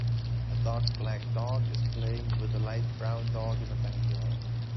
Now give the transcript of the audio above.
A dark black dog is playing with a light brown dog in a backyard.